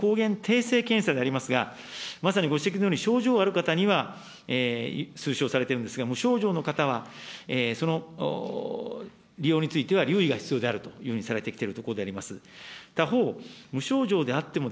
そして、ご指摘の抗原定性検査でありますが、まさにご指摘のように、症状がある方には推奨されてるんですが、無症状の方は、その利用については、留意が必要であるというふうにされてきているところであります。